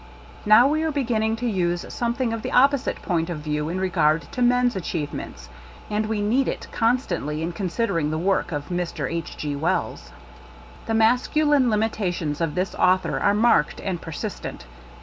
Now we are beginning to use some thing of the opposite point of view in regard to men's achievements ; and we need it, constantly, in considering the work of Mr. H. G. Wells The masculine limitations of this au thor are marked and persistent.